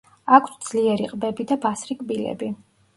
აქვთ ძლიერი ყბები და ბასრი კბილები.